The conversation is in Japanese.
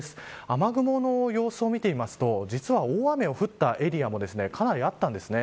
雨雲の様子を見てみると実は、大雨の降ったエリアもかなりあったんです。